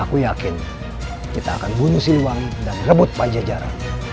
kita akan bunuh siliwangi dan rebut panjajara